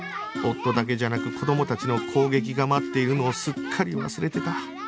夫だけじゃなく子供たちの攻撃が待っているのをすっかり忘れてた